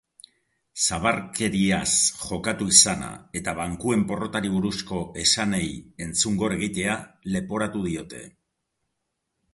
Zabarkeriaz jokatu izana eta bankuen porrotari buruzko esanei entzungor egitea leporatu diote.